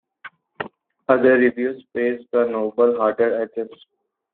Other reviews praised the novel's harder edges.